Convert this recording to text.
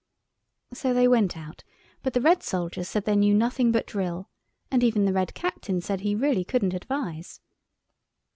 So they went out; but the red soldiers said they knew nothing but drill, and even the Red Captain said he really couldn't advise.